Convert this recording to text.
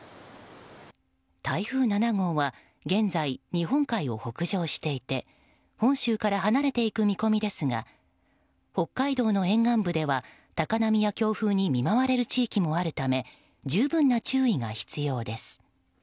台風７号は現在、日本海を北上していて本州から離れていく見込みですが北海道の沿岸部では高波や強風に見舞われる地域もあるため十分な注意が必要です。